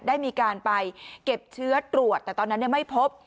ได้มีการไปเก็บเชื้อตรวจแต่ตอนนั้นไม่พบ